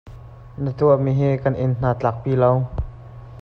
Na tuahmi hi kan in hna tlaak pi lo.